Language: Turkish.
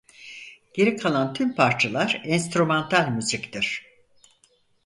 Geri kalan tüm parçalar enstrümantal müziktir.